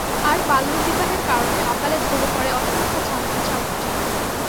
আর বাল্যবিবাহের কারণে অকালে ঝরে পড়ে অসংখ্য ছাত্রছাত্রী।